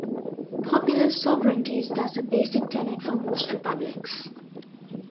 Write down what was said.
Popular sovereignty is thus a basic tenet of most Republics.